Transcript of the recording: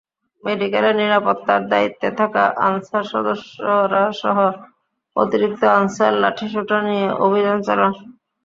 মেডিকেলের নিরাপত্তার দায়িত্বে থাকা আনসার সদস্যরাসহ অতিরিক্ত আনসার লাঠিসোঁটা নিয়ে অভিযান চালান।